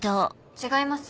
違います